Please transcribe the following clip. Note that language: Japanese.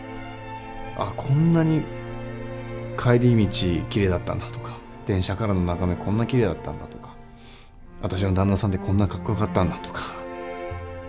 「あっこんなに帰り道きれいだったんだ」とか「電車からの眺めこんなきれいだったんだ」とか「私の旦那さんってこんなかっこよかったんだ」とか。